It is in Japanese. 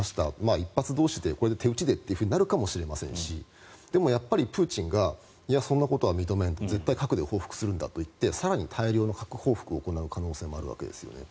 １発同士で、これで手打ちでとなるかもしれませんしでもやっぱり、プーチンがいや、そんなことは認めないと絶対、核で報復するんだと大量の核報復をする可能性もあるわけですね。